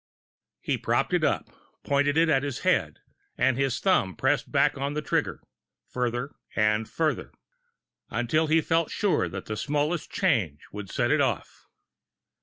He propped it up, pointing at his head, and his thumb pressed back on the trigger, further and further, until he felt sure the smallest change would set it off.